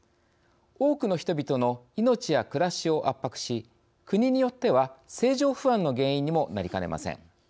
多くの人々の命や暮らしを圧迫し国によっては政情不安の原因にもなりかねません。